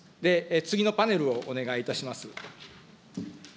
次のパネルをお願いいたします。